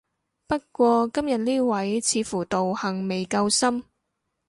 不過今日呢位似乎道行未夠深